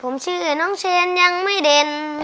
ผมชื่อน้องเชนยังไม่เด่น